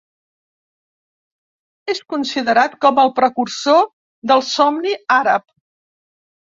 És considerat com el precursor del somni àrab.